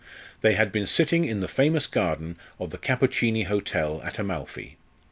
They had been sitting in the famous garden of the Cappucini Hotel at Amalfi.